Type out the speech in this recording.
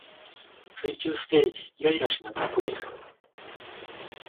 水中ステージでイライラしながらプレイする